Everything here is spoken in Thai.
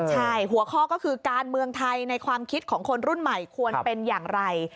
ใช่หัวข้อก็คือการเมืองไทยในความคิดของคนรุ่นใหม่ควรเป็นอย่างไร